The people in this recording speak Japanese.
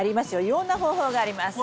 いろんな方法があります。